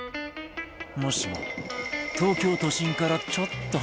もしも東京都心からちょっと離れた街に住んだら